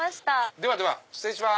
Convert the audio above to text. ではでは失礼します。